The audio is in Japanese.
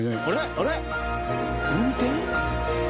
あれ？